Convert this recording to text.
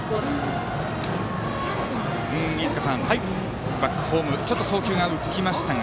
飯塚さん、バックホームちょっと送球が浮きましたが。